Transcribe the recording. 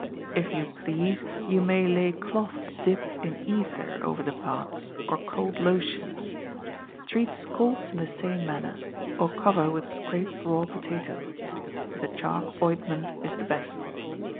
If you please, you may lay cloths dipped in ether over the parts, or cold lotions. Treat scalds in the same manner, or cover with scraped raw potato; but the chalk ointment is the best.